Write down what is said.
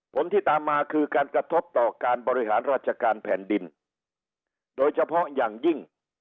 ผลที่ตามมาคือการกระทบต่อการบริหารราชการแผ่นดินโดยเฉพาะอย่างยิ่ง